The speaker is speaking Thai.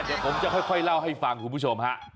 เดี๋ยวผมจะค่อยเล่าให้ฟังคุณผู้ชมฮะ